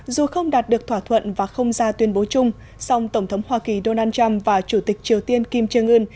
dù không đạt được thỏa thuận và không ra tuyên bố chung song tổng thống hoa kỳ donald trump và chủ tịch triều tiên kim jong un